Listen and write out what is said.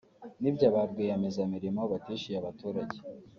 n’ibya ba rwiyemezamirimo batishyura abaturage